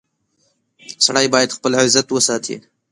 • سړی باید خپل عزت وساتي.